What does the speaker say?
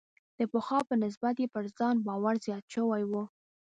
د پخوا په نسبت یې پر ځان باور زیات شوی و.